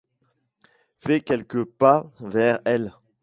Fais quelques pas vers elle.